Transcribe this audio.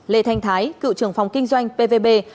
lê thanh thái cựu trưởng phòng kinh doanh pvb